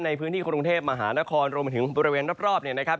ในพื้นที่กรุงเทพมหานครรวมไปถึงบริเวณรอบเนี่ยนะครับ